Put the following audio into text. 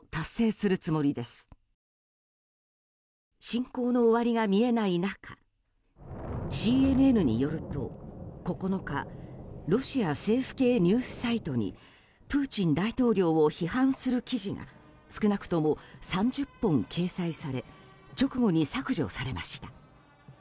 侵攻の終わりが見えない中ＣＮＮによると、９日ロシア政府系ニュースサイトにプーチン大統領を批判する記事が少なくとも３０本掲載され直後に削除されました。